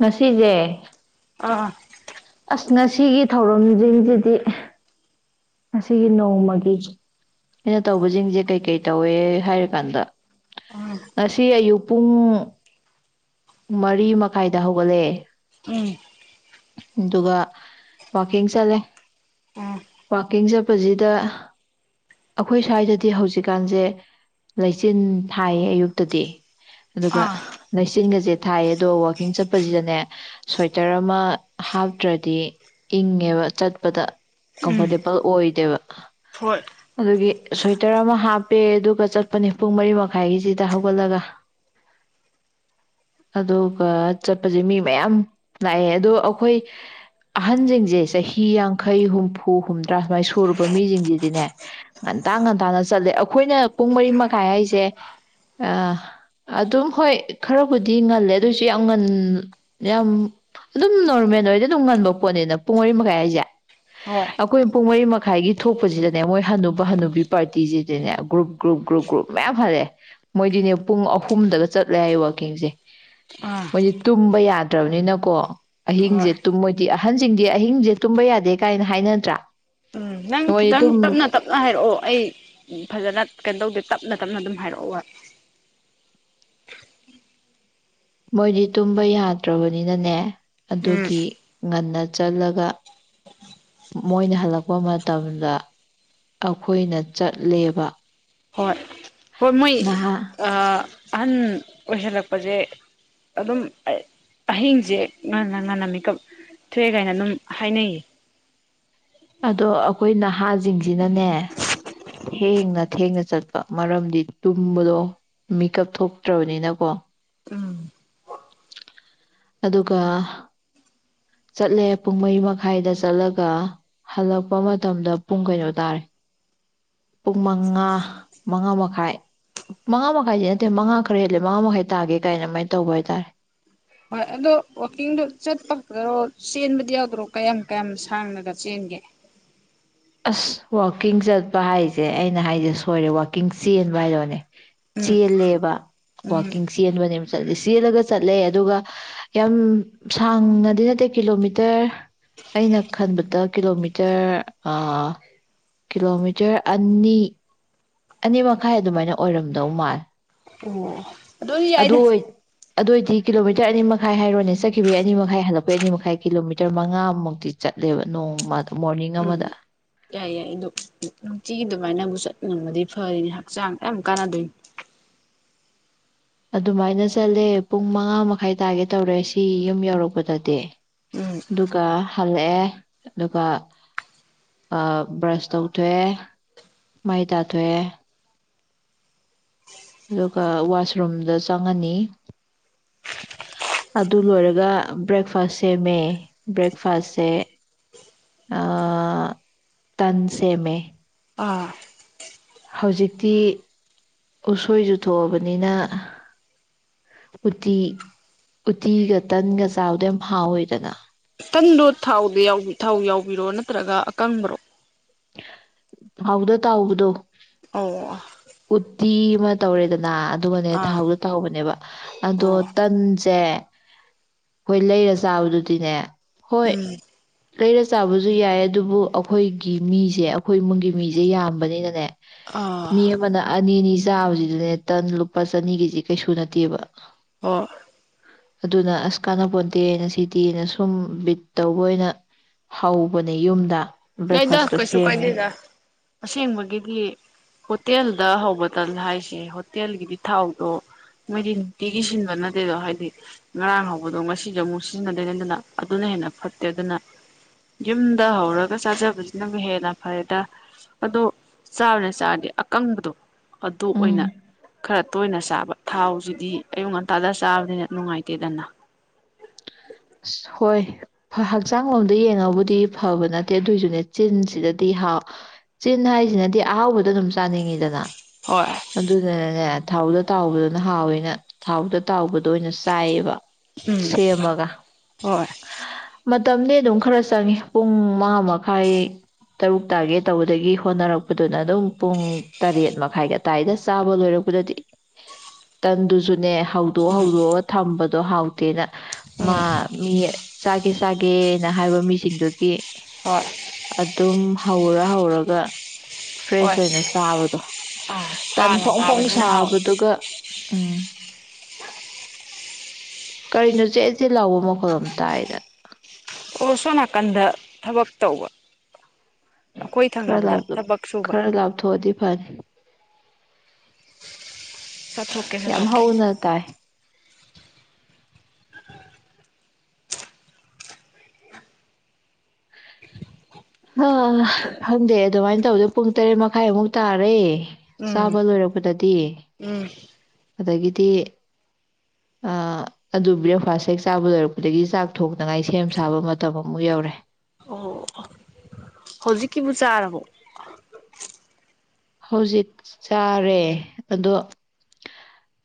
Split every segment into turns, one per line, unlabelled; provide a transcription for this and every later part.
ꯉꯁꯤꯁꯦ
ꯑꯥ
ꯑꯁ ꯉꯁꯤꯒꯤ ꯊꯧꯔꯝꯁꯤꯡꯁꯤꯗꯤ ꯉꯁꯤꯒꯤ ꯅꯣꯡꯃꯒꯤ ꯑꯩꯅ ꯇꯧꯕꯁꯤꯡꯁꯦ ꯀꯩꯀꯩ ꯇꯧꯋꯦ ꯍꯥꯏꯔꯀꯥꯟꯗ
ꯎꯝ
ꯉꯁꯤ ꯑꯌꯨꯛ ꯄꯨꯡ ꯃꯔꯤ ꯃꯈꯥꯏꯗ ꯍꯧꯒꯠꯂꯛꯑꯦ
ꯎꯝ
ꯑꯗꯨꯒ ꯋꯀꯤꯡ ꯆꯠꯂꯦ
ꯎꯝ
ꯋꯀꯤꯡ ꯆꯠꯄꯁꯤꯗ ꯑꯩꯈꯣꯏ ꯁ꯭ꯋꯥꯏꯗꯗꯤ ꯍꯧꯖꯤꯛꯀꯥꯟꯁꯦ ꯂꯩꯆꯤꯟ ꯊꯥꯏꯌꯦ ꯑꯌꯨꯛꯇꯗꯤ ꯑꯗꯨꯒ
ꯑꯥ
ꯂꯩ ꯆꯤꯟꯒꯁꯦ ꯊꯥꯏꯌꯦ ꯑꯗꯣ ꯋꯥꯋꯥꯛꯀꯤꯡ ꯆꯠꯄꯁꯤꯗꯅꯦ ꯁ꯭ꯋꯦꯇꯔ ꯑꯃ ꯍꯥꯞꯇ꯭ꯔꯗꯤ ꯏꯪꯉꯦꯕ ꯆꯠꯄꯗ
ꯎꯝ
ꯀꯝꯐꯣꯔꯇꯦꯕꯜ ꯑꯣꯏꯗꯦꯕ
ꯍꯣꯏ
[inaudible] ꯑꯗꯨꯗꯒꯤ ꯁ꯭ꯋꯦꯇꯔ ꯑꯃ ꯍꯥꯞꯄꯦ ꯑꯗꯨꯒ ꯆꯠꯄꯅꯤ ꯄꯨꯡ ꯃꯔꯤ ꯃꯈꯥꯏꯒꯤꯁꯤꯗ ꯍꯧꯒꯠꯂꯒ꯫ ꯑꯗꯨꯒ ꯆꯠꯄꯁꯦ ꯃꯤ ꯃꯌꯥꯝ ꯂꯥꯛꯑꯦ ꯑꯗꯣ ꯑꯩꯈꯣꯏ ꯑꯍꯟꯖꯤꯡꯖꯦ ꯆꯍꯤ ꯌꯥꯡꯈꯩ ꯍꯨꯝꯐꯨ ꯍꯨꯝꯗ꯭ꯔꯥ ꯁꯨꯃꯥꯏꯅ ꯁꯨꯔꯨꯕ ꯃꯤꯁꯤꯡꯁꯤꯗꯤꯅꯦ ꯉꯟꯇꯥ - ꯉꯟꯇꯥꯅ ꯆꯠꯂꯦ ꯑꯩꯈꯣꯏꯅ ꯄꯨꯡ ꯃꯔꯤ ꯃꯈꯥꯏ ꯍꯥꯏꯁꯦ ꯑꯗꯨꯝ ꯍꯣꯏ ꯈꯔꯕꯨꯗꯤ ꯉꯜꯂꯦ ꯑꯗꯨꯑꯣꯏꯁꯨ ꯌꯥꯝ ꯉꯟ ꯌꯥꯝ ꯑꯗꯨꯝ ꯅꯣꯔꯃꯦꯜ ꯑꯣꯏꯗꯤ ꯑꯗꯨꯝ ꯉꯟꯕ ꯄꯣꯠꯅꯤꯅ ꯄꯨꯡ ꯃꯔꯤ ꯃꯈꯥꯏ ꯍꯥꯏꯁꯦ
ꯍꯣꯏ
ꯑꯩꯈꯣꯏ ꯄꯨꯡ ꯃꯔꯤ ꯃꯈꯥꯏꯒꯤ ꯊꯣꯛꯄꯁꯤꯗꯅꯦ ꯃꯣꯏ ꯍꯅꯨꯕ - ꯍꯅꯨꯕꯤ ꯄꯥꯔꯇꯤꯁꯤꯗꯤꯅꯦ ꯒ꯭ꯔꯨꯞ ꯒ꯭ꯔꯨꯞ ꯒ꯭ꯔꯨꯞ ꯒ꯭ꯔꯨꯞ ꯃꯌꯥꯝ ꯍꯜꯂꯛꯑꯦ ꯃꯣꯏꯗꯤꯅꯦ ꯄꯨꯡ ꯑꯍꯨꯝꯗꯒ ꯆꯠꯂꯦ ꯍꯥꯏ ꯋꯥ ꯀꯤꯡꯖꯦ
ꯑꯥ
ꯃꯣꯏꯗꯤ ꯇꯨꯝꯕ ꯌꯥꯗ꯭ꯔꯕꯅꯤꯅꯀꯣ
ꯍꯣꯏ
ꯑꯍꯤꯡꯁꯦꯨꯝ ꯃꯣꯏꯗꯤ ꯑꯍꯟꯁꯤꯡꯗꯤ ꯑꯍꯤꯡꯁꯦ ꯇꯨꯝꯕ ꯌꯥꯗꯦ ꯀꯥꯏꯅ ꯍꯥꯏꯅꯗ꯭ꯔꯥ?
ꯎꯝ
ꯃꯣꯏꯗꯤ
ꯈꯤꯇꯪ
ꯇꯨꯝ
ꯇꯞꯅ - ꯇꯞꯅ ꯍꯥꯏꯔꯛꯑꯣ ꯑꯩ ꯐꯖꯅ ꯀꯩꯅꯣ ꯇꯧꯗꯦ ꯇꯞꯅ ꯇꯞꯅ ꯑꯗꯨꯝ ꯍꯥꯏꯔꯛꯑꯣ ꯋꯥ꯫
ꯃꯣꯏꯗꯤ ꯇꯨꯝꯕ ꯌꯥꯗ꯭ꯔꯕꯅꯤꯅꯅꯦ
ꯎꯝ
ꯑꯗꯨꯒꯤ ꯉꯟꯅ ꯆꯠꯂꯒ ꯃꯣꯏꯅ ꯍꯜꯂꯛꯄ ꯃꯇꯝꯗ ꯑꯩꯈꯣꯏꯅ ꯆꯠꯂꯦꯕ꯫
ꯍꯣꯏ꯫ ꯍꯣꯏ ꯃꯣꯏ
ꯅꯍꯥ
ꯑꯥ ꯑꯍꯟ ꯑꯣꯏꯁꯜꯂꯛꯄꯁꯦ ꯑꯗꯨꯝ ꯑꯍꯤꯡꯖ ꯉꯟꯅ ꯉꯟꯅ ꯃꯦꯀꯞ ꯊꯣꯛꯑꯦ ꯀꯥꯏꯅ ꯑꯗꯨꯝ ꯍꯥꯏꯅꯩꯌꯦ꯫
ꯑꯗꯣ ꯑꯩꯈꯣꯏꯅ ꯅꯍꯥꯖꯤꯡꯖꯤꯅꯅꯦ ꯊꯦꯡꯅ ꯊꯦꯡꯅ ꯆꯠꯄ ꯃꯔꯝꯗꯤ ꯇꯨꯝꯕꯗꯣ ꯃꯤꯀꯞ ꯊꯣꯛꯇ꯭ꯔꯕꯅꯤꯅꯀꯣ꯫
ꯎꯝ
ꯑꯗꯨꯒ ꯆꯠꯂꯦ ꯄꯨꯡ ꯃꯔꯤ ꯃꯈꯥꯏꯗ ꯆꯠꯂꯒ ꯍꯜꯂꯛꯄ ꯃꯇꯝꯗ ꯄꯨꯡ ꯀꯩꯅꯣ ꯇꯥꯔꯦ꯫ ꯄꯨꯡ ꯃꯉꯥ ꯃꯉꯥ ꯃꯈꯥꯏ ꯃꯉꯥ ꯃꯈꯥꯏꯗꯤ ꯅꯠꯇꯦ ꯃꯉꯥ ꯈꯔ ꯍꯦꯜꯂꯦ ꯃꯉꯥ ꯃꯈꯥꯏ ꯇꯥꯒꯦ ꯀꯥꯏꯅ ꯑꯗꯨꯃꯥꯏꯅ ꯇꯧꯕ ꯍꯥꯏꯇꯥꯔꯦ꯫
ꯍꯣꯏ ꯑꯗꯣ ꯋꯥꯛꯀꯤꯡꯗꯣ ꯆꯠꯄ ꯈꯛꯇꯔꯣ ꯆꯦꯟꯕꯗꯤ ꯌꯥꯎꯗ꯭ꯔꯣ ꯀꯌꯥꯝ- ꯀꯌꯥꯝ ꯁꯥꯡꯂꯒ ꯆꯦꯟꯒꯦ?
ꯑꯁ ꯋꯥꯛꯀꯤꯡ ꯆꯠꯄ ꯍꯥꯏꯁꯦ ꯑꯩꯅ ꯍꯥꯏꯁꯦ ꯁꯣꯏꯔꯦ ꯋꯥꯛꯀꯤꯡ ꯆꯦꯟꯕ ꯍꯥꯏꯗꯣꯅꯦ꯫
ꯎꯝ
ꯆꯦꯜꯂꯦꯕꯥ
ꯎꯝ
ꯋꯥꯛꯀꯤꯡ ꯆꯦꯟꯕꯅꯦꯕ ꯆꯠꯂꯤ ꯆꯦꯜꯂꯒ ꯆꯠꯂꯦ ꯑꯗꯨꯒ ꯌꯥꯝ ꯁꯥꯡꯅꯗꯤ ꯅꯠꯇꯦ ꯀꯤꯂꯣꯃꯤꯇꯔ ꯑꯩꯅ ꯈꯟꯕꯗ ꯀꯤꯂꯣꯃꯤꯇꯔ ꯑ ꯀꯤꯂꯣꯃꯤꯇꯔ ꯑꯅꯤ ꯑꯅꯤ ꯃꯈꯥꯏ ꯑꯗꯨꯃꯥꯏꯅ ꯑꯣꯏꯔꯝꯗꯧ ꯃꯥꯂꯦ꯫
ꯑꯗꯣ ꯁꯤ ꯌꯥꯏꯗ꯫
ꯑꯗꯨꯑꯣꯏꯗꯤ ꯀꯤꯂꯣꯃꯤꯇꯔ ꯑꯅꯤ ꯃꯈꯥꯏ ꯍꯥꯏꯔꯣꯅꯦ ꯆꯠꯈꯤꯕꯒꯤ ꯑꯅꯤ ꯃꯈꯥꯏ ꯍꯜꯂꯛꯄꯩ ꯑꯅꯤ ꯃꯈꯥꯏ ꯀꯤꯂꯣꯃꯤꯇꯔ ꯃꯉꯥꯃꯨꯛꯇꯤ ꯆꯠꯂꯦꯕ ꯅꯣꯡꯃꯗ ꯃꯣꯔꯅꯤꯡ
ꯎꯝ
ꯑꯃꯗ꯫
ꯌꯥꯏ - ꯌꯥꯏ ꯑꯗꯨꯗ ꯅꯨꯡꯇꯤꯒꯤ ꯑꯗꯨꯃꯥꯏꯅꯕꯨ ꯆꯠ ꯉꯕꯗꯤ ꯐꯔꯤꯅꯤ ꯍꯛꯆꯥꯡ ꯌꯥꯝ ꯀꯥꯟꯅꯗꯣꯏꯅꯤ꯫
ꯑꯗꯨꯃꯥꯏꯅ ꯆꯠꯂꯦ ꯄꯨꯡ ꯃꯉꯥ ꯃꯈꯥꯏ ꯇꯥꯒꯦ ꯇꯧꯔꯦ ꯁꯤ ꯌꯨꯝ ꯌꯧꯔꯛꯄꯗꯗꯤ
ꯎꯝ
ꯑꯗꯨꯒ ꯍꯜꯂꯛꯑꯦ ꯑꯗꯨꯒ ꯕ꯭ꯔꯁ ꯇꯧꯊꯣꯛꯑꯦ ꯃꯩ ꯇꯥꯊꯣꯛꯑꯦ꯫ ꯑꯗꯨꯒ ꯋꯥꯁꯔꯨꯝꯗ ꯆꯪꯉꯅꯤ ꯑꯗꯨ ꯂꯣꯏꯔꯒ ꯕ꯭ꯔꯦꯛꯐꯥꯁ ꯁꯦꯝꯃꯦ ꯕ꯭ꯔꯦꯛꯐꯥꯁꯁꯦ ꯇꯟ ꯁꯦꯝꯃꯦ
ꯑꯥ
ꯍꯧꯖꯤꯛꯇꯤ꯫ ꯎꯁꯣꯏ ꯖꯨ ꯊꯣꯛꯑꯕꯅꯤꯅ ꯎꯇꯤ ꯎꯇꯤꯒ ꯇꯟꯒ ꯆꯥꯕꯗ ꯌꯥꯝ ꯍꯥꯎꯋꯦꯗꯅ꯫
ꯇꯟꯗꯣ ꯊꯥꯎꯗ ꯊꯥꯎ ꯌꯥꯎꯕꯤꯔꯣ ꯅꯠꯇ꯭ꯔꯒ ꯑꯀꯪꯕꯔꯣ?
ꯊꯥꯎꯗ ꯇꯥꯎꯕꯗꯣ꯫
ꯑꯧ
ꯇꯤ ꯑꯃ ꯇꯧꯔꯦꯗꯅ ꯑꯗꯨꯒꯅꯦ ꯊꯥꯎꯗꯣ ꯇꯥꯎꯕꯅꯦꯕ ꯑꯗꯣ
ꯑꯣ
ꯇꯟꯁ ꯁꯦ ꯑꯩꯈꯣꯏ ꯂꯩꯔ ꯆꯥꯕꯗꯨꯗꯤꯅꯦ ꯍꯣꯏ
ꯎꯝ꯫
ꯂꯩꯔ ꯆꯥꯕꯁꯨ ꯌꯥꯏ ꯑꯗꯨꯕꯨ ꯑꯩꯈꯣꯏ ꯒꯤ ꯃꯤꯁꯦ ꯑꯩꯈꯣꯏ ꯏꯃꯨꯡꯒꯤ ꯃꯤꯁꯦ ꯌꯥꯝꯕꯅꯤꯅꯅꯦ
ꯑꯥ
ꯃꯤ ꯑꯃꯅ ꯑꯅꯤ - ꯑꯅꯤ ꯆꯥꯕꯁꯤꯗꯅꯦ ꯇꯟ ꯂꯨꯄꯥ ꯆꯅꯤꯒꯤꯁꯤ ꯀꯩꯁꯨ ꯅꯠꯇꯦꯕ꯫
ꯍꯣꯏ꯫
ꯑꯗꯨꯅ ꯑꯁ ꯀꯥꯟꯅ ꯄꯣꯟꯇꯦꯅꯥ ꯁꯤꯗꯤ ꯑꯩꯅ ꯁꯨꯝ ꯕꯤꯠ ꯇꯧꯕ ꯑꯣꯏꯅ ꯍꯧꯕꯅꯦ ꯌꯨꯝꯗ꯫
ꯌꯥꯏꯗ
ꯕ꯭ꯔꯦꯛꯐꯥꯁꯇꯣ
ꯀꯩꯁꯨ
ꯁꯦꯝꯃꯦ
ꯀꯥꯏꯗꯦꯗ ꯑꯁꯦꯡꯕꯒꯤꯗꯤ ꯍꯣꯇꯦꯜ ꯗ ꯍꯧꯕ ꯇꯜ ꯍꯥꯏꯁꯤ ꯍꯣꯇꯦꯜꯒꯤꯗꯤ ꯊꯥꯎꯗꯣ ꯃꯣꯏꯗꯤ ꯅꯨꯡꯇꯤꯒꯤ ꯁꯤꯟꯕ ꯅꯠꯇꯦꯗꯣ ꯍꯥꯏꯗꯤ ꯉꯔꯥꯡ ꯍꯧꯕꯗꯣ ꯉꯁꯤꯁꯨ ꯑꯃꯨꯛ ꯁꯤꯖꯤꯟꯅꯗꯣꯏꯅꯦ ꯑꯗꯨꯅ ꯑꯗꯨꯅ ꯍꯦꯟꯅ ꯐꯠꯇꯦ ꯑꯗꯨꯅ ꯌꯨꯝꯗ ꯍꯧꯔꯒ ꯆꯥꯖꯕꯁꯤꯅꯕꯨ ꯍꯦꯟꯅ ꯐꯔꯦꯗ ꯑꯗꯣ ꯆꯥꯕꯅꯦ ꯆꯥꯔꯗꯤ ꯑꯀꯪꯕꯗꯣ ꯑꯗꯨ ꯑꯣꯏꯅ
ꯎꯝ
ꯈꯔ ꯇꯣꯏꯅ ꯆꯥꯕ ꯊꯥꯎꯁꯤꯗꯤ ꯑꯌꯨꯛ ꯉꯟꯇꯥꯗ ꯆꯥꯕꯅꯤꯅ ꯅꯨꯡꯉꯥꯏꯇꯦꯗꯅ
ꯑꯁ ꯍꯣꯏ ꯍꯛꯆꯥꯡ ꯂꯣꯝꯗ ꯌꯦꯡꯉꯕꯨꯗꯤ ꯐꯕ ꯅꯠꯇꯦ ꯑꯗꯨꯏꯁꯨꯅꯦ ꯆꯤꯟꯁꯤꯗꯗꯤ ꯍꯥꯎ ꯆꯤꯟ ꯍꯥꯏꯁꯤꯅꯗꯤ ꯑꯍꯥꯎꯕꯗꯣ ꯑꯗꯨꯝ ꯆꯥꯅꯤꯡꯉꯤꯗꯅ
ꯍꯣꯏ
ꯑꯗꯨꯗꯨꯅꯅꯦ ꯊꯥꯎꯗ ꯇꯥꯎꯕꯗꯨꯅ ꯍꯥꯎꯋꯦꯅ ꯊꯥꯎꯗ ꯇꯥꯎꯕꯗꯣ ꯑꯣꯏꯅ ꯆꯥꯏꯌꯦꯕ
ꯎꯝ
ꯁꯦꯃꯒ ꯃ
ꯍꯣꯏ
ꯃꯇꯝꯗꯤ ꯑꯗꯨꯝ ꯈꯔ ꯆꯪꯉꯤ ꯄꯨꯡ ꯃꯉꯥ ꯃꯈꯥꯏ ꯇꯔꯨꯛ ꯇꯥꯒꯦ ꯇꯧꯕꯗꯒꯤ ꯍꯣꯠꯅꯔꯛꯄꯗꯨꯅ ꯑꯗꯨꯝ ꯄꯨꯡ ꯇꯔꯦꯠ ꯃꯈꯥꯏꯒ ꯇꯥꯏꯗ ꯆꯥꯕ ꯂꯣꯏꯔꯛꯄꯗꯗꯤ ꯇꯟꯗꯨꯁꯨ ꯅꯦ ꯍꯧꯗꯣꯛ
ꯎꯝ
ꯍꯧꯗꯣꯛꯑꯒ ꯊꯝꯕ ꯗꯣ ꯍꯥꯎꯇꯦꯅ ꯃꯥ
ꯎꯝ
ꯃꯤ ꯆꯥꯛ ꯁꯤ ꯆꯥꯒꯦꯅ ꯍꯥꯏꯕ ꯃꯤꯁꯤꯡꯗꯨꯒꯤ
ꯍꯣꯏ
ꯑꯗꯨꯝ ꯍꯧꯔ ꯍꯧꯔꯒ ꯐ꯭ꯔꯦꯁ
ꯍꯣꯏ
ꯑꯣꯏꯅ ꯆꯥꯕꯗꯣ
ꯑꯥ
ꯇꯟ
ꯍꯥꯟꯅ
ꯐꯣꯡ ꯐꯣꯡ
ꯆꯥꯕꯁꯤꯅ ꯍꯥꯎꯋꯤ
ꯁꯥꯕꯗꯨꯒ ꯎꯝ ꯀꯔꯤꯅꯣ ꯆꯦꯠ ꯆꯦꯠ ꯩ ꯂꯥꯎꯕ ꯃꯈꯣꯜ ꯑꯃ ꯇꯥꯏꯗ
ꯑꯣ ꯁꯣꯝ ꯅꯥꯀꯟꯗ ꯊꯕꯛ ꯇꯧꯕ ꯑꯩꯈꯣꯏ
ꯈꯔ
ꯊꯪꯅꯕꯗ
ꯂꯥꯞ
ꯊꯕꯛ ꯁꯨꯕ
ꯈꯔ ꯂꯥꯞꯊꯣꯛꯑꯗꯤ ꯐꯅꯤ
ꯆꯠꯊꯣꯛꯀꯦ
ꯌꯥꯝ
ꯆꯠꯊꯣꯛꯀꯦ
ꯍꯎꯅ ꯇꯥꯏ ꯍꯥꯥ ꯈꯪꯗꯦ ꯑꯗꯨꯃꯥꯏ ꯇꯧꯕꯗꯣ ꯄꯨꯡ ꯇꯔꯦꯠ ꯃꯈꯥꯏꯃꯨꯛ ꯇꯥꯔꯦ
ꯎꯝ
ꯆꯥꯕ ꯂꯣꯏꯔꯛꯄꯗꯗꯤ
ꯎꯝ
ꯑꯗꯒꯤꯗꯤ ꯑ ꯑꯗꯨ ꯕ꯭ꯔꯦꯛꯐꯥꯁ ꯍꯦꯛ ꯆꯥꯕ ꯂꯣꯏꯔꯛꯄꯗꯒꯤ ꯆꯥꯛ ꯊꯣꯡꯅꯉꯥꯏ ꯁꯦꯝ ꯁꯥꯕ ꯃꯇꯝ ꯑꯃꯨꯛ ꯌꯧꯔꯦ
ꯑꯣ ꯍꯧꯖꯤꯛꯀꯤꯕꯨ ꯆꯥꯔꯕꯣ
ꯍꯧꯖꯤꯛ ꯆꯥꯔꯦ ꯑꯗꯣ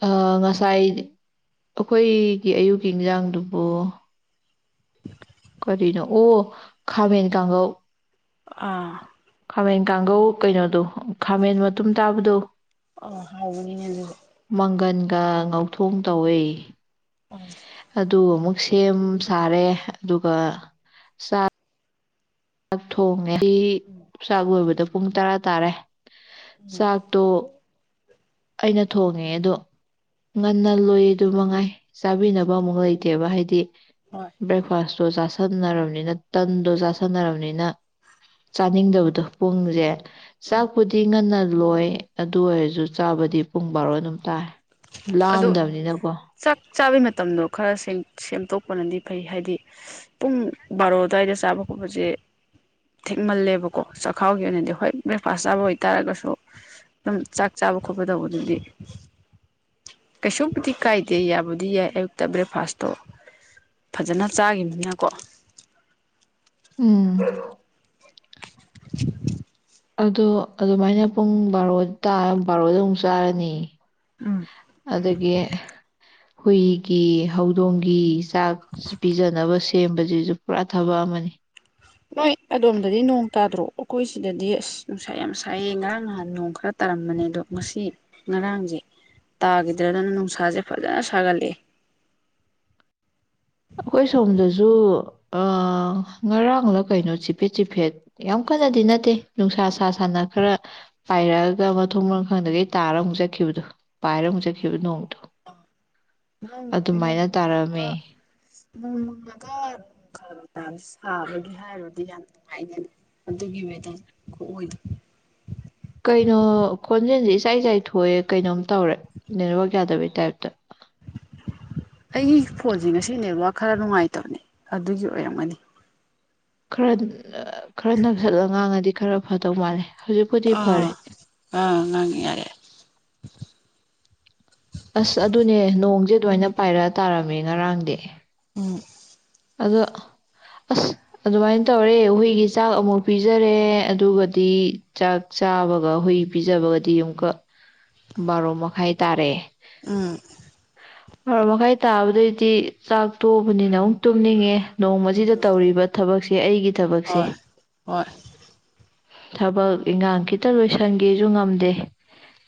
ꯑ ꯉꯁꯥꯏ ꯑꯩꯈꯣꯏꯒꯤ ꯑꯌꯨꯛꯀꯤ ꯏꯟꯖꯥꯡꯗꯨꯕꯨ ꯀꯔꯤꯅꯣ ꯑꯣ ꯈꯥꯃꯦꯟ ꯀꯥꯡꯉꯧ
ꯑꯥ
ꯈꯥꯃꯦꯟ ꯀꯥꯡꯒꯧ ꯀꯩꯅꯣꯗꯣ ꯈꯥꯃꯦꯟ ꯃꯇꯨꯝ ꯇꯥꯕꯗꯣ
ꯑ ꯍꯥꯎꯕꯅꯤꯅꯦ ꯑꯗꯨꯁꯨ
ꯃꯪꯒꯟꯒ ꯉꯧꯊꯣꯡ ꯇꯧꯋꯦ
ꯑꯥ
ꯑꯗꯨ ꯑꯃꯨꯛ ꯁꯦꯝ ꯁꯥꯔꯦ ꯑꯗꯨꯒ ꯆ ꯆꯥꯛ ꯊꯣꯡꯉꯦ [unintelligible] ꯆꯥꯛ ꯂꯣꯏꯕꯗ ꯄꯨꯡ ꯇꯔꯥ ꯇꯥꯔꯦ ꯆꯥꯛꯇꯣ ꯑꯩꯅ ꯊꯣꯡꯉꯦ ꯑꯗꯣ ꯉꯟꯅ ꯂꯣꯏꯌꯦ ꯑꯗꯨ ꯃꯉꯥꯏ ꯆꯥꯕꯤꯅꯕ ꯑꯃꯨꯛ ꯂꯩꯇꯦꯕ ꯍꯥꯏꯗꯤ
ꯍꯣꯏ
ꯕ꯭ꯔꯦꯛꯐꯥꯁꯇꯣ ꯆꯥꯁꯟꯅꯔꯕꯅꯤꯅ ꯇꯟꯗꯣ ꯆꯥꯁꯟꯅꯔꯕꯅꯤꯅ ꯆꯥꯅꯤꯡꯗꯕꯗꯣ ꯄꯨꯡꯁꯦ
ꯎꯝ
ꯆꯥꯛꯄꯨꯗꯤ ꯉꯟꯅ ꯂꯣꯏ ꯑꯗꯨ ꯑꯣꯏꯔꯁꯨ ꯆꯥꯕꯗꯤ ꯄꯨꯡ ꯕꯥꯔꯣ ꯑꯗꯨꯝ ꯇꯥꯏ
ꯑꯗꯨ ꯆꯥꯛ ꯆꯥꯕꯩ ꯃ ꯃꯇꯝꯗꯣ ꯈꯔ ꯁꯦꯝ ꯁꯦꯝꯗꯣꯛꯄꯅꯗꯤ ꯐꯩ ꯍꯥꯏꯗꯤ ꯄꯨꯡ ꯕꯥꯔꯣ ꯑꯗꯨꯋꯥꯏꯗ ꯆꯥꯕ ꯈꯣꯠꯄꯁꯦ ꯊꯦꯛꯃꯜꯂꯦꯕꯀꯣ ꯆꯈꯥꯎꯒꯤ ꯑꯣꯏꯅꯗꯤ ꯍꯣꯏ ꯕ꯭ꯔꯦꯛꯐꯥꯁ ꯆꯥꯕ ꯑꯣꯏꯇꯥꯥꯔꯒꯁꯨ ꯑꯗꯨꯝ ꯆꯥꯛ ꯆꯕ ꯈꯣꯠ ꯕꯗꯧꯕꯗꯨꯗꯤ ꯀꯩꯁꯨꯕꯨꯗꯤ ꯀꯥꯏꯗꯦ ꯌꯥꯕꯨꯗꯤ ꯌꯥꯏ ꯑꯌꯨꯛꯇ ꯕ꯭ꯔꯦꯛꯐꯥꯁꯇꯣ ꯐꯖꯅ ꯆꯥꯒꯤꯕꯅꯤꯅꯀꯣ
ꯎꯝ
[inaudible]
ꯑꯣ ꯑꯗꯨꯃꯥꯏꯅ ꯄꯨꯡ ꯕꯥꯔꯣ ꯕꯥꯔꯣꯗ ꯑꯃꯨꯛ ꯆꯥꯔꯅꯤ ꯑꯗꯒꯤ ꯍꯨꯏꯒꯤ ꯍꯧꯗꯣꯡꯒꯤ ꯆꯥꯛ ꯄꯤꯖꯅꯕ ꯁꯦꯝꯕꯁꯤꯁꯨ ꯄꯨꯔꯥ ꯊꯕꯛ ꯑꯃꯅꯤ
ꯅꯣꯏ ꯑꯗꯣꯝꯗꯗꯤ ꯅꯣꯡ ꯇꯥꯗ꯭ꯔꯣ ꯑꯩꯈꯣꯏ ꯁꯤꯗꯗꯤ ꯑꯁ ꯅꯨꯡꯁꯥ ꯌꯥꯝ ꯁꯥꯏꯑ ꯉꯔꯥꯡ ꯅꯍꯥꯟ ꯅꯣꯡ ꯈꯔ ꯇꯥꯔꯝꯕꯅꯦ ꯑꯗꯣ ꯉꯁꯤ ꯉꯔꯥꯡꯁꯦ ꯇꯥꯈꯤꯗ꯭ꯔꯗꯅ ꯅꯨꯡꯁꯥꯁꯦ ꯐꯖꯅ ꯁꯥꯒꯠꯂꯛꯑꯦ
ꯑꯩꯈꯣꯏ ꯁꯣꯝꯗꯁꯨ ꯉꯔꯥꯡꯂ ꯀꯩꯅꯣ ꯆꯤꯐꯦꯠ ꯆꯤꯐꯦꯠ ꯌꯥꯝ ꯀꯟꯅꯗꯤ ꯅꯠꯇꯦ ꯅꯨꯡꯁꯥ ꯁꯥ ꯁꯅ ꯈꯔ ꯄꯥꯏꯔꯛꯑꯒ ꯃꯊꯣꯡ ꯃꯔ ꯈꯪꯗꯒꯩ ꯇꯥꯔ ꯑꯃꯨꯛ ꯆꯠꯈꯤꯕꯗꯣ ꯄꯥꯏꯔ ꯑꯃꯨꯛ ꯆꯠꯈꯤꯕ ꯅꯣꯡꯗꯣ
[unintelligible]
ꯑꯗꯨꯃꯥꯏꯅ ꯇꯥꯔꯛꯑꯝꯃꯦ
ꯅꯣꯡꯃꯪꯉꯥꯒ ꯈꯔꯒ ꯁꯥꯕꯒꯤ ꯍꯥꯏꯔꯨꯔꯗꯤ ꯌꯥꯝ ꯅꯨꯡꯉꯥꯏꯒꯅꯦ ꯑꯗꯨꯒꯤ ꯋꯦꯗꯔꯥ ꯈꯨꯑꯣꯏꯗꯣ
ꯀꯩꯅꯣ ꯈꯣꯟꯖꯦꯜꯁꯦ ꯏꯆꯥꯏ ꯆꯥꯏꯊꯣꯛꯑꯦ ꯀꯩꯅꯣꯝ ꯇꯧꯔꯦ ꯅꯦꯠꯋꯛ ꯌꯥꯗꯕꯩ ꯇꯥꯏꯞꯇ꯫
ꯑꯩꯒꯤ ꯐꯣꯟꯁꯦ ꯉꯁꯤ ꯅꯦꯠꯋꯥꯛ ꯈꯔ ꯅꯨꯡꯉꯥꯏꯇꯕꯅꯦ ꯑꯗꯨꯒꯤ ꯑꯣꯏꯔꯝꯒꯅꯤ
ꯈꯔ ꯈꯔ ꯅꯛꯁꯠꯂ ꯉꯥꯡꯉꯗꯤ ꯈꯔ ꯐꯗꯧ ꯃꯥꯜꯂꯦ ꯍꯧꯖꯤꯛꯄꯨꯗꯤ ꯐꯔꯦ
ꯑꯥ ꯑꯥ ꯉꯥꯡꯉꯤ ꯌꯥꯔꯦ [inaudible]
ꯑꯁ ꯑꯗꯨꯅꯦ ꯅꯣꯡꯁꯦ ꯑꯗꯨꯃꯥꯏꯅ ꯄꯥꯏꯔꯛꯑꯥ ꯇꯥꯔꯝꯃꯦ ꯉꯔꯥꯡꯗꯤ꯫
ꯎꯝ
ꯑꯗꯣ ꯑꯁ ꯑꯗꯨꯃꯥꯏꯅ ꯇꯧꯔꯦ ꯍꯨꯏꯒꯤ ꯆꯥꯛ ꯑꯃꯨꯛ ꯄꯤꯖꯔꯦ ꯑꯗꯨꯒꯗꯤ ꯆꯥꯛ ꯆꯥꯕꯒ ꯍꯨꯏ ꯄꯤꯖꯕꯒꯗꯤ ꯑꯃꯨꯛꯀ ꯕꯥꯔꯣ ꯃꯈꯥꯏ ꯇꯥꯔꯦ꯫
ꯎꯝ
ꯕꯥꯔꯣ ꯃꯈꯥꯏ ꯇꯥꯕꯗꯩꯗꯤ ꯆꯥꯛ ꯇꯣꯛꯑꯕꯅꯤ ꯇꯨꯝꯅꯤꯡꯉꯦ ꯅꯣꯡꯃ ꯑꯁꯤꯗ ꯇꯧꯔꯤꯕ ꯊꯕꯛꯁꯤ ꯑꯩꯒꯤ ꯊꯕꯛꯁꯦ
ꯍꯣꯏ ꯍꯣꯏ
ꯊꯕꯛ ꯏꯟꯈꯥꯡ ꯈꯤꯇ ꯂꯣꯏꯁꯟꯒꯦꯁꯨ ꯉꯝꯗꯦ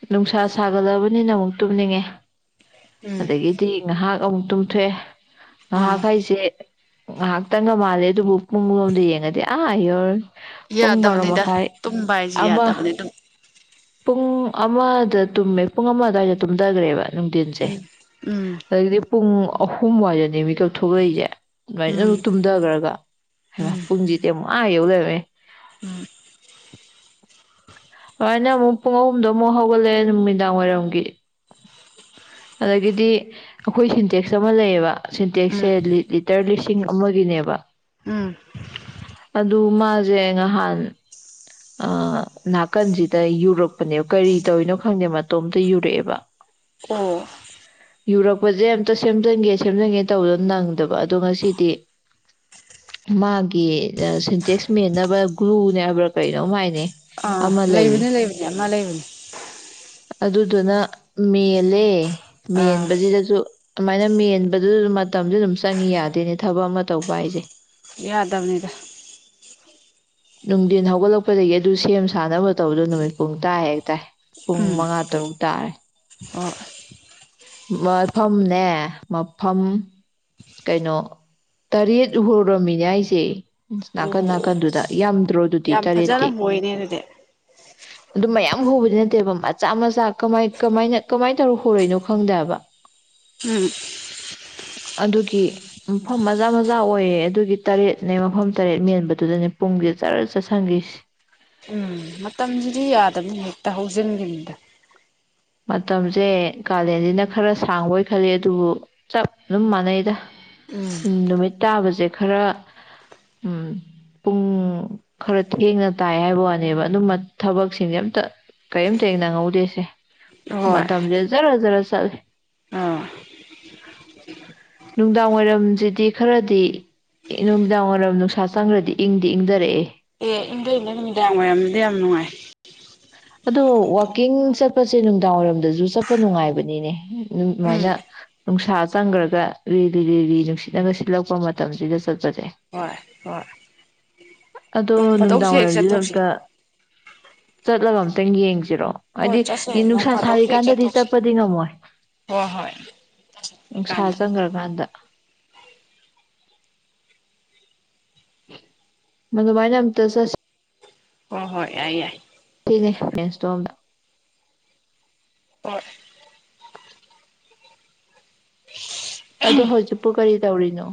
ꯅꯨꯡꯁꯥ ꯁꯥꯒꯠꯂꯕꯅꯤꯅ ꯑꯃꯨꯛ ꯇꯨꯝꯅꯤꯡꯉꯦ
ꯎꯝ
ꯑꯗꯒꯤꯗꯤ ꯉꯥꯏꯍꯥꯛ ꯑꯃꯨꯛ ꯇꯨꯝꯊꯣꯛꯑꯦ꯫ ꯉꯥꯏꯍꯛ
ꯑꯥ
ꯍꯥꯏꯁꯦ꯫ ꯉꯥꯏꯍꯥꯛꯇꯪꯒ ꯃꯥꯜꯂꯦ ꯑꯗꯨꯕꯨ ꯄꯨꯡꯂꯣꯝꯗ ꯌꯦꯡꯉꯗꯤ ꯑꯥ ꯌꯧꯋꯤ꯫
ꯌꯥꯗꯕꯅꯤꯗ ꯇꯨꯝꯕ ꯍꯥꯏꯁꯤ ꯌꯥꯗꯕꯅꯤ
ꯑꯃ
ꯑꯗꯨꯝ
ꯄꯨꯡ ꯑꯃꯗ ꯇꯨꯝꯃꯦ ꯄꯨꯡ ꯑꯃ ꯑꯗꯨꯋꯥꯏꯗ ꯇꯨꯝꯊꯈ꯭ꯔꯦꯕ꯫ ꯅꯨꯡꯊꯤꯟꯁꯦ
ꯎꯝ
ꯑꯗꯨꯗꯒꯤꯗꯤ ꯄꯨꯡ ꯑꯍꯨꯝꯋꯥꯏꯗꯅꯦ ꯃꯤꯀꯛꯊꯣꯛꯂꯛꯏꯁꯦ꯫ ꯑꯗꯨꯃꯥꯏꯅ
ꯎꯝ
ꯑꯃꯨꯛ ꯇꯨꯝꯊꯈ꯭ꯔꯒ ꯍꯥꯏꯃꯥ
ꯎꯝ
ꯄꯨꯡꯁꯤꯗꯤ ꯑꯃꯨꯛ ꯑꯥ ꯌꯧ ꯂꯪꯔꯝꯃꯦ
[inaudible]
ꯑꯗꯨꯃꯥꯏꯅ ꯑꯃꯨꯛ ꯄꯨꯡ ꯑꯍꯨꯝꯗꯣ ꯑꯃꯨꯛ ꯍꯧꯒꯠꯂꯛꯑꯦ ꯅꯨꯃꯤꯗꯥꯡ ꯋꯥꯏꯔꯝꯒꯤ ꯑꯗꯒꯤꯗꯤ ꯑꯩꯈꯣꯏ ꯁꯤꯟꯇꯦꯛꯁ ꯑꯃ ꯂꯩꯌꯦꯕ
ꯎꯝ
ꯁꯤꯟꯇꯦꯛꯁꯦ ꯂꯤꯇꯔ ꯂꯤꯁꯤ ꯆꯤꯡ ꯑꯃꯔꯤꯅꯦꯕ
ꯎꯝ
ꯑꯗꯨ ꯃꯥꯖꯦ ꯉꯍꯥꯟ ꯑ ꯅꯥꯀꯟꯖꯤꯗ ꯌꯨꯔꯛꯄꯅꯦꯕ ꯀꯔꯤ ꯇꯧꯔꯤꯅꯣ ꯈꯪꯗꯦ ꯃꯇꯣꯝꯇ ꯌꯨꯔꯛꯑꯦꯕ
ꯑꯣ
ꯌꯨꯔꯛꯄꯁꯦ ꯑꯝꯇ ꯁꯦꯝꯖꯤꯟꯒꯦ ꯁꯦꯝꯖꯤꯟꯒꯦ ꯇꯧꯕꯗꯣ ꯅꯪꯗꯕ ꯑꯗꯣ ꯉꯁꯤꯗꯤ ꯃꯥꯒꯤ ꯁꯤꯟꯇꯦꯛꯁ ꯃꯦꯟꯅꯕ ꯒ꯭ꯂꯨꯅꯦ ꯍꯥꯏꯕ꯭ꯔꯥ ꯀꯩꯅꯣꯍꯥꯏꯅꯦ
ꯑꯥ ꯂꯩꯕꯅꯦ ꯂꯩꯕꯅꯦ ꯑꯃ ꯂꯩꯕꯅꯤ
ꯑꯗꯨꯗꯨꯅ ꯃꯦꯜꯂꯦ
ꯑꯥ
ꯃꯦꯟꯕꯖꯤꯗꯖꯨ ꯑꯗꯨꯃꯥꯏꯅ ꯃꯦꯟꯕꯗꯨꯗꯖꯨ ꯃꯇꯝꯖꯨ ꯑꯗꯨꯝ ꯆꯪꯉꯤ ꯌꯥꯗꯦꯅꯦ ꯊꯕꯛ ꯑꯃ ꯇꯧꯕ ꯍꯥꯏꯖꯦ
ꯌꯥꯗꯝꯅꯤꯗ
ꯅꯨꯡꯗꯤꯟ ꯍꯧꯒꯠꯂꯛꯄꯗꯒꯤ ꯑꯗꯨ ꯁꯦꯝ ꯁꯥꯅꯕ ꯇꯧꯕꯗꯣ ꯅꯨꯃꯤꯠ ꯄꯨꯡ ꯇꯥ ꯍꯦꯛ ꯇꯥꯏ ꯄꯨꯡ
ꯎꯝ
ꯃꯉꯥ ꯇꯔꯨꯛ ꯇꯥꯔꯦ
ꯑꯣ
ꯃꯐꯝꯅꯦ ꯃꯐꯝ ꯀꯩꯅꯣ ꯇꯔꯦꯠ ꯍꯨꯔꯝꯃꯤꯅꯦ ꯑꯩꯁꯦ ꯅꯥꯀꯟ
ꯑꯣ
ꯅꯥꯀꯟꯗꯨꯗ ꯌꯥꯝ
ꯌꯥꯝ ꯐꯖꯅ ꯍꯣꯏꯅꯦ ꯑꯗꯨꯗꯤ
ꯑꯗꯨꯝ ꯃꯌꯥꯝ ꯍꯣꯕꯗꯤ ꯅꯠꯇꯦꯕ ꯃꯆꯥ ꯃꯆꯥ ꯀꯃꯥꯏ ꯀꯃꯥꯏꯅ ꯀꯃꯥꯏ ꯇꯧꯔ ꯍꯣꯔꯤꯅꯣ ꯈꯪꯗꯦꯍꯥꯏꯕ
ꯎꯝ
ꯑꯗꯨꯒꯤ ꯃꯐꯝ ꯃꯆꯥ ꯃꯆꯥ ꯑꯣꯏꯌꯦ ꯑꯗꯨꯒꯤ ꯇꯔꯦꯠꯅꯦ ꯃꯐꯝ ꯇꯔꯦꯠ ꯃꯦꯟꯕꯗꯨꯗꯅꯦ ꯄꯨꯡꯖꯦ ꯖꯔ ꯆꯠꯁꯟꯒꯤꯁ°
ꯎꯝ ꯃꯇꯝꯖꯤꯗꯤ ꯌꯥꯗꯝꯅꯤ ꯍꯦꯠꯇ ꯍꯧ ꯖꯤꯟꯒꯤꯕꯗ
ꯃꯇꯝꯖꯦ ꯀꯥꯂꯦꯟꯁꯤꯅ ꯈꯔ ꯁꯥꯡꯕ ꯑꯣꯏ ꯈꯜꯂꯤ ꯑꯗꯨꯕꯨ ꯆꯞ ꯑꯗꯨꯝ ꯃꯥꯟꯅꯩꯗ
ꯎꯝ
ꯅꯨꯃꯤꯠ ꯇꯥꯕꯁꯦ ꯈꯔ ꯎꯝ ꯄꯨꯡ ꯈꯔ ꯊꯦꯡꯅ ꯇꯥꯏ ꯍꯥꯏꯕ ꯋꯥꯅꯦꯕ ꯑꯗꯨꯝ ꯊꯕꯛꯁꯤꯡꯁꯦ ꯑꯝꯇ ꯀꯔꯤꯝꯇ ꯍꯦꯛꯅꯪꯍꯧꯗꯦꯁꯦ
ꯍꯣꯏ
ꯃꯇꯝꯖꯦ ꯖꯔ ꯖꯔ ꯆꯠꯂꯦ
ꯑꯥ
ꯅꯨꯡꯗꯥꯡ ꯋꯥꯏꯔꯝꯖꯤꯗꯤ ꯈꯔꯗꯤ ꯅꯨꯡꯗꯥꯡ ꯋꯥꯏꯔꯝ ꯅꯨꯡꯁꯥ ꯆꯪꯒꯔꯗꯤ ꯏꯪꯗꯤ ꯏꯪꯗꯔꯛꯑꯦ
ꯏꯗꯩꯅ ꯅꯨꯃꯤꯗꯥꯡ ꯋꯥꯏꯔꯝꯗ ꯌꯥꯝ ꯅꯨꯡꯉꯥꯏ
ꯑꯗꯣ ꯋꯥꯛꯀꯤꯡ ꯆꯠꯄꯁꯦ ꯅꯨꯡꯗꯥꯡꯋꯥꯏꯔꯝꯗꯁꯨ ꯆꯠꯄ ꯅꯨꯡꯉꯥꯏꯕꯅꯤꯅꯦ ꯅꯨꯡ
ꯎꯝ
ꯑꯗꯨꯃꯥꯏꯅ ꯅꯨꯡꯁꯥ ꯆꯪꯒꯔꯒ ꯂꯤꯔꯤ ꯔꯤꯔꯤ ꯅꯨꯡꯁꯤꯠꯂꯒ ꯁꯤꯠꯂꯛꯄ ꯃꯇꯝꯁꯤꯗ ꯆꯠꯄꯁꯦ
ꯍꯣꯏ ꯍꯣꯏ
ꯑꯗꯣ
ꯅꯣꯡ
ꯅꯨꯡꯗꯥꯡ
ꯐꯥꯗꯣꯛꯁꯨ ꯍꯦꯛ ꯆꯠꯊꯣꯛꯁꯤ
ꯋꯥꯏꯔꯝꯖꯤꯗꯑꯝꯇ ꯆꯠꯂꯒ ꯑꯃꯝꯇꯪ ꯌꯦꯡꯁꯤ ꯖꯤꯔꯣ
ꯍꯣꯏ
ꯍꯥꯏꯗꯤ
ꯆꯠꯁꯦ ꯅꯣꯡ
ꯅꯨꯡꯁꯥ
ꯐꯥꯗꯣꯛꯁꯨ ꯍꯦꯛ
ꯁꯥꯔꯤꯀꯥꯟꯗꯗꯤ
ꯆꯠꯊꯣꯛꯁꯤ
ꯆꯠꯄꯗꯤ ꯉꯝꯃꯣꯏ
ꯍꯣꯏ ꯍꯣꯏ
ꯅꯨꯡꯁꯥ
ꯀꯥꯟꯗ
ꯆꯪꯈ꯭ꯔꯀꯥꯟꯗ ꯃꯥꯗꯨꯃꯥꯏꯅ ꯑꯃꯇ ꯆꯠꯁꯤ
ꯍꯣꯏ ꯍꯣꯏ ꯌꯥꯏ ꯌꯥꯏ
ꯆꯠꯁꯤꯅꯦ ꯔꯦꯟꯁꯇꯣꯝꯗ
ꯍꯣꯏ
ꯑꯗꯣ ꯍꯧꯖꯤꯛꯄꯨ ꯀꯔꯤ ꯇꯧꯔꯤꯅꯣ